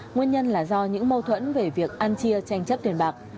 nguyên nhân là do những mâu thuẫn về việc ăn chia tranh chấp tiền bạc